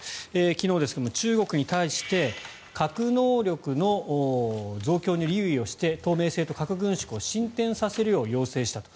昨日ですが、中国に対して核能力の増強に留意をして透明性と核軍縮を進展させるよう要請したと。